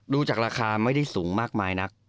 ดูจากราคาไม่ได้สูงมากมายนัก